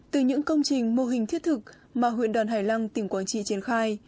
từ những công trình mô hình thiết thực mà huyện đoàn hải lăng tỉnh quảng trị triển khai